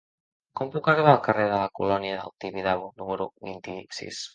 Com puc arribar al carrer de la Colònia del Tibidabo número vint-i-sis?